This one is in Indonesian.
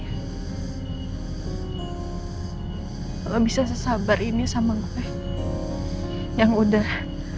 kalau bisa sesabar ini sama apa yang udah